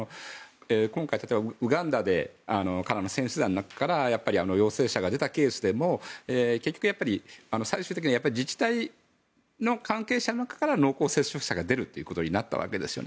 今回、例えばウガンダで選手団の中から陽性者が出たケースでも結局、最終的には自治体の関係者の中から濃厚接触者が出るということになったわけですよね。